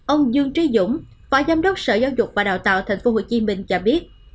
ông dương trí dũng phó giám đốc sở giáo dục và đào tạo tp hcm cho biết